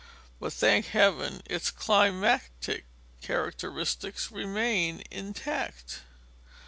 But, thank Heaven, its climatic characteristics remain intact.